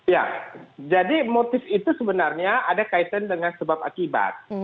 ya jadi motif itu sebenarnya ada kaitan dengan sebab akibat